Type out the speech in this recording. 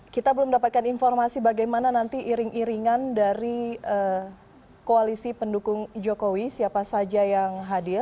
kita belum mendapatkan informasi bagaimana nanti iring iringan dari koalisi pendukung jokowi siapa saja yang hadir